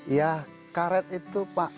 ya karet itu pak